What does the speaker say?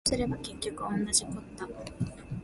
そうすれば結局おんなじこった